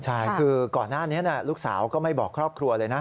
ใช่คือก่อนหน้านี้ลูกสาวก็ไม่บอกครอบครัวเลยนะ